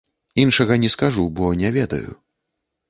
Іншага не скажу, бо не ведаю.